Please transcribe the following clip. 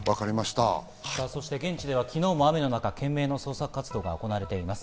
現地では昨日も雨の中、懸命の捜索活動が行われています。